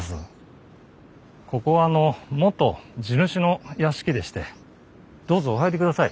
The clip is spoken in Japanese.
ここは元地主の屋敷でしてどうぞお入りください。